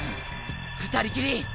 ２人きり！！